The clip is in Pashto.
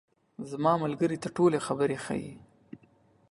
زما ملګري ته ټولې خبرې ښیې.